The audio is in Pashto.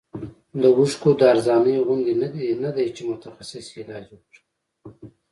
د اوښکو د ارزانۍ غوندې نه دی چې متخصص یې علاج وکړي.